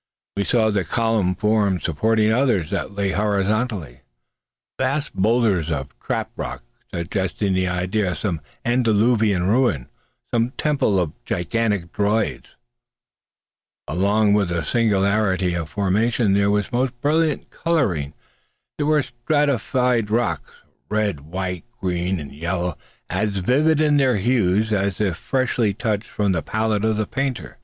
We saw columnar forms supporting others that lay horizontally: vast boulders of trap rock, suggesting the idea of some antediluvian ruin, some temple of gigantic Druids! Along with singularity of formation was the most brilliant colouring. There were stratified rocks, red, white, green, and yellow, as vivid in their hues as if freshly touched from the palette of the painter.